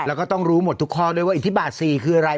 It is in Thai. แล้วก็ต้องรู้หมดทุกข้อด้วยว่าอิทธิบาท๔คืออะไร